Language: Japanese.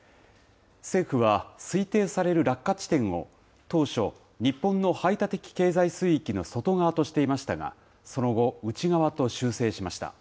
政府は、推定される落下地点を、当初、日本の排他的経済水域の外側としていましたが、その後、内側と修正しました。